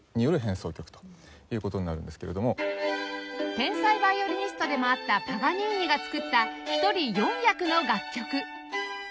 天才ヴァイオリニストでもあったパガニーニが作った１人４役の楽曲